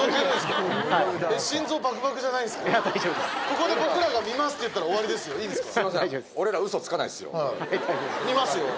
ここで僕らが見ますって言ったら終わりですよいいですか？